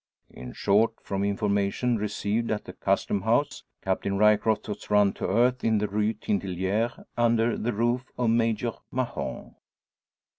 In short, from information received at the Custom House, Captain Ryecroft was run to earth in the Rue Tintelleries, under the roof of Major Mahon.